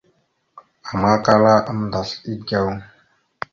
Ama kala aməndasl egew ɗiɗem.